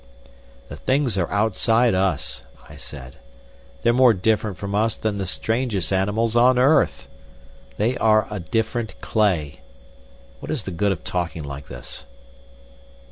"The things are outside us," I said. "They're more different from us than the strangest animals on earth. They are a different clay. What is the good of talking like this?"